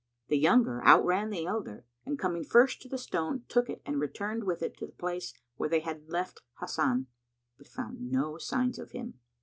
The younger outran the elder and coming first to the stone, took it and returned with it to the place where they had left Hasan, but found no signs of him.